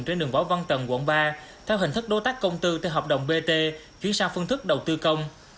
trên đường võ văn tần quận ba theo hình thức đối tác công tư từ hợp đồng bt chuyển sang phương thức đầu tư công